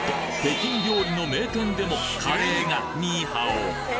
北京料理の名店でもカレーがニーハオ！